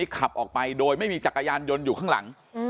ขับออกไปโดยไม่มีจักรยานยนต์อยู่ข้างหลัง